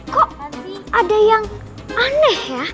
kok masih ada yang aneh ya